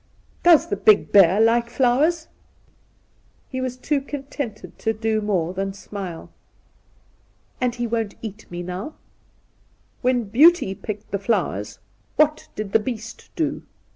' Does the big bear like flowers V Induna Nairn 121 He was too contented to do more than smile. ' And he won't eat me now ?'' When Beauty picked the flowers, what did the Beast do